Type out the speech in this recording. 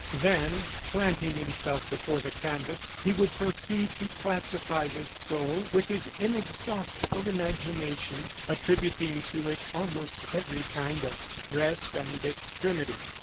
Then, planting himself before the canvas, he would proceed to classify this soul with his inexhaustible imagination, attributing to it almost every kind of stress and extremity.